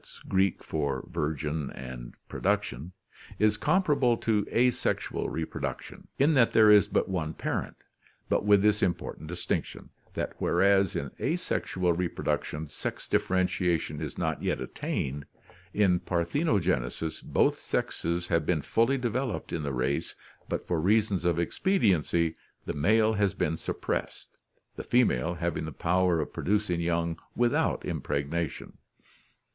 irapOevw, virgin, and yepeim, produc tion) is comparable to asexual reproduction, in that there is but one parent, but with this important distinction, that whereas in asexual reproduction sex differentiation is not yet attained, in parthenogenesis both "sexes have been fully developed in the race, but for reasons of expediency the male has been suppressed, the female having the power of producing young without impregna tion.